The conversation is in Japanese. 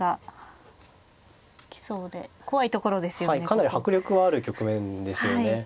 かなり迫力はある局面ですよね。